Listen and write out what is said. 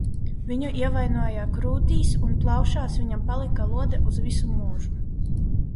Viņu ievainoja krūtīs un plaušās viņam palika lode uz visu mūžu.